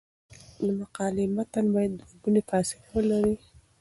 د مقالې متن باید دوه ګونی فاصله ولري.